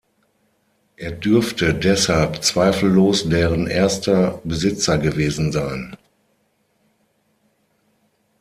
Er dürfte deshalb zweifellos deren erster Besitzer gewesen sein.